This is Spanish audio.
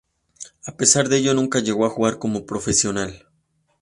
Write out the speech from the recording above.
A pesar de ello, nunca llegó a jugar como profesional.